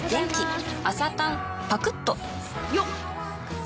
よっ。